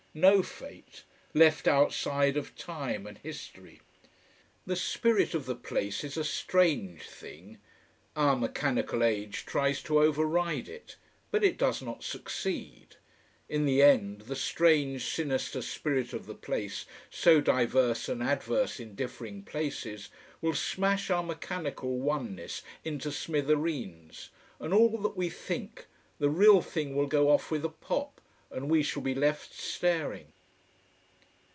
No fate. Left outside of time and history. The spirit of the place is a strange thing. Our mechanical age tries to override it. But it does not succeed. In the end the strange, sinister spirit of the place, so diverse and adverse in differing places, will smash our mechanical oneness into smithereens, and all that we think the real thing will go off with a pop, and we shall be left staring.